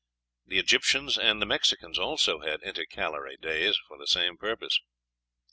The Egyptians and Mexicans also had intercalary days for the same purpose.